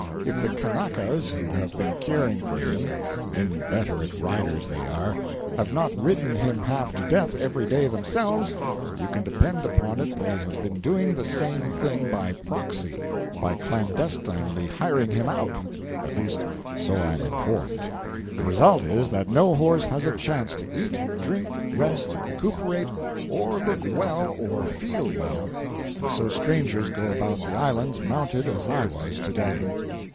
If the Kanakas who have been caring for him (inveterate riders they are) have not ridden him half to death every day themselves, you can depend upon it they have been doing the same thing by proxy, by clandestinely hiring him out. At least, so I am informed. The result is, that no horse has a chance to eat, drink, rest, recuperate, or look well or feel well, and so strangers go about the Islands mounted as I was to day.